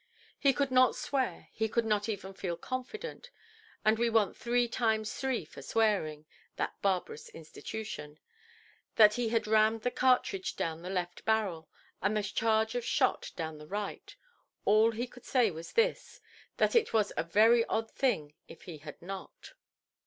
He could not swear, he could not even feel confident (and we want three times three for swearing, that barbarous institution) that he had rammed the cartridge down the left barrel, and the charge of shot down the right. All he could say was this, that it was a very odd thing if he had not.